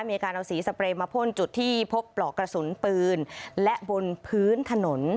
มีการเอาสีสเปรย์มาพ่นจุดที่พบปลอกกระสุนปืนและบนพื้นถนน